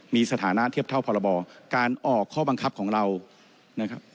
มีสถานะเทียบเท่าพรบการออกข้อบังคับของเรานะครับ